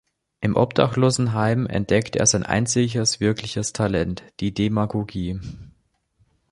Im Obdachlosenheim entdeckte er sein einziges wirkliches Talent, die Demagogie.